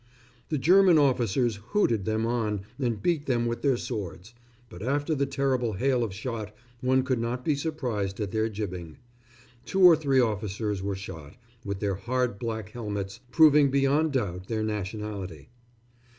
The German officers hooted them on and beat them with their swords; but after the terrible hail of shot one could not be surprised at their jibbing. Two or three officers were shot, with their hard black helmets, proving beyond doubt their nationality....